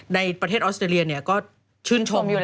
ในประเทศออสเตรเลียก็ชื่นชมอยู่